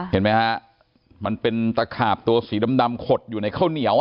เห็นไหมฮะมันเป็นตะขาบตัวสีดำขดอยู่ในข้าวเหนียว